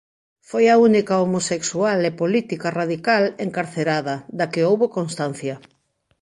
Foi a única homosexual e política radical encarcerada da que houbo constancia.